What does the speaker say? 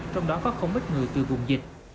trong đó có không ít người từ vùng dịch